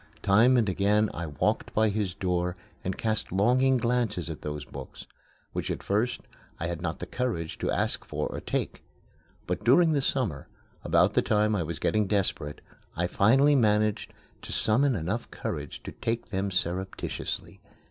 Time and again I walked by his door and cast longing glances at those books, which at first I had not the courage to ask for or to take. But during the summer, about the time I was getting desperate, I finally managed to summon enough courage to take them surreptitiously.